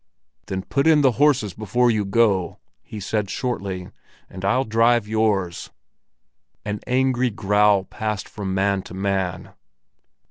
"Then put in the horses before you go," he said shortly, "and I'll drive yours." An angry growl passed from man to man.